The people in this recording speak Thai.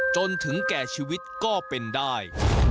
จนถึงแก่ชีวิตก็เป็นได้